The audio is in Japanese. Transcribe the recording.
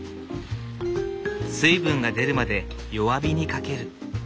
水分が出るまで弱火にかける。